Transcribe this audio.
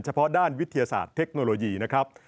เฉพาะด้านวิทยาศาสตร์เทคโนโลยีนะครับ